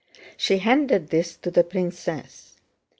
She handed this to the princess.